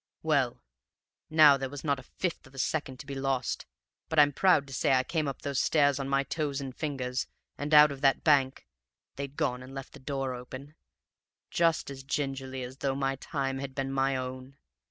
"Well, now there was not a fifth of a second to be lost; but I'm proud to say I came up those stairs on my toes and fingers, and out of that bank (they'd gone and left the door open) just as gingerly as though my time had been my own.